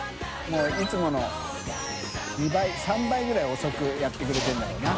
發いつもの嫁３倍ぐらい遅くやってくれてるんだろうな。